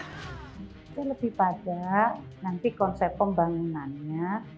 itu lebih pada nanti konsep pembangunannya